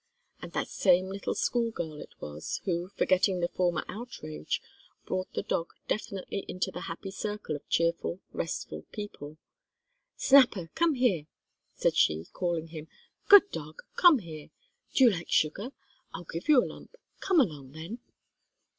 And that same little schoolgirl it was, who, forgetting the former outrage, brought the dog definitely into the happy circle of cheerful, restful people. "Snapper, come here," said she, calling him. "Good dog, come here. Do you like sugar? I'll give you a lump. Come along, then."